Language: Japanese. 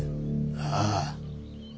ああ。